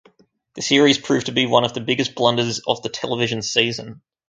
The series proved to be one of the biggest blunders of the television season.